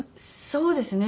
そうですね。